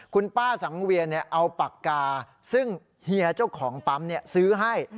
คุณป้าสังเวียนเอาปากกาซึ่งเฮียเจ้าของปั๊มซื้อให้